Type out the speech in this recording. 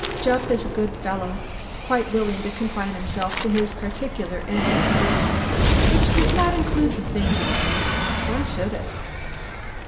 Jupp is a good fellow, quite willing to confine himself to his particular end of the business which does not include the thinking end. Why should it?